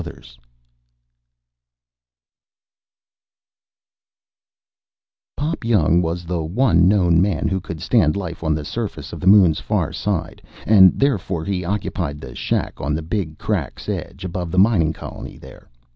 _ BY MURRAY LEINSTER Illustrated by Freas Pop Young was the one known man who could stand life on the surface of the Moon's far side, and, therefore, he occupied the shack on the Big Crack's edge, above the mining colony there.